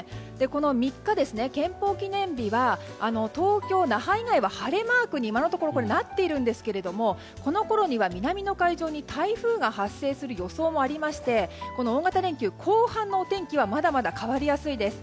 この３日、憲法記念日は東京、那覇以外は晴れマークに今のところ、なっているんですがこのころには南の海上に台風が発生する予想もありましてこの大型連休、後半のお天気はまだまだ変わりやすいです。